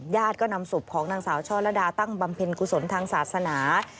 ญาติก็นำศพของนางสาวช่อระดาตั้งบำเพ็ญกุศลทางศาสนา